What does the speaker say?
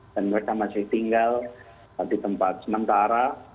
dan mereka masih tinggal di tempat sementara